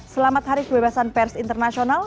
selamat hari kebebasan pers internasional